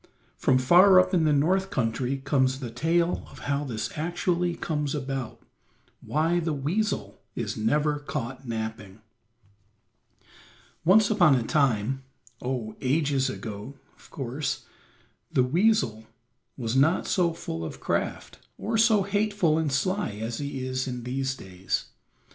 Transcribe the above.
From far up in the North country comes the tale of how this actually comes about; why the weasel is never caught napping. Once upon a time, oh, ages ago, of course, the weasel was not so full of craft, or so hateful and sly as he is in these days.